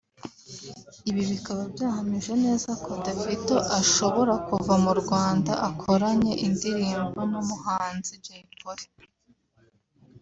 Ibi bikaba byahamije neza ko Davido ashobora kuva mu Rwanda akoranye indirimbo n’umuhanzi Jay Polly